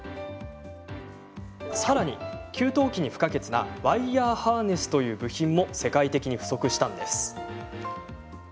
さらに、給湯器に不可欠なワイヤーハーネスという部品も世界的に不足したんです。